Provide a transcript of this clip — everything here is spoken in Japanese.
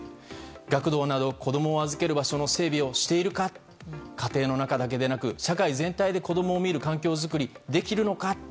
学童など、子供を預ける場所の整備をしているか家庭の中だけでなく社会全体で子供を見る環境づくりができるのかと。